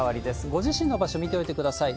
ご自身の場所見といてください。